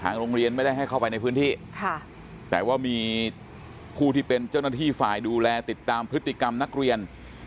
โรงเรียนไม่ได้ให้เข้าไปในพื้นที่ค่ะแต่ว่ามีผู้ที่เป็นเจ้าหน้าที่ฝ่ายดูแลติดตามพฤติกรรมนักเรียน